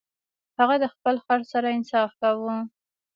هغه د خپل خر سره انصاف کاوه.